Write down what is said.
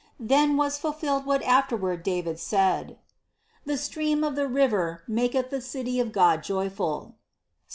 Then was fulfilled what afterward David said : "The stream of the river maketh the city of God joyful" (Ps.